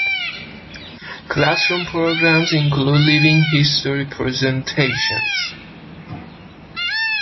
Classroom programs include living-history presentations.